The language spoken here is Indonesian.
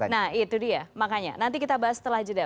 nah itu dia makanya nanti kita bahas setelah jeda